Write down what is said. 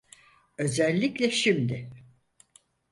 Özellikle şimdi.